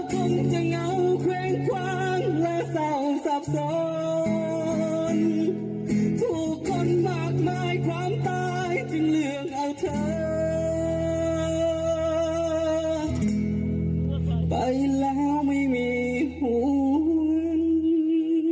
ผู้คนมากมายความตายถึงเลือกอาจารย์ไปแล้วไม่มีฮูนกลับ